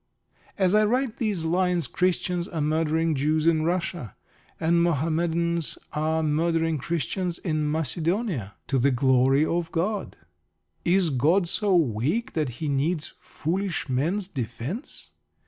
As I write these lines Christians are murdering Jews in Russia, and Mohammedans are murdering Christians in Macedonia to the glory of God. Is God so weak that He needs foolish men's defence?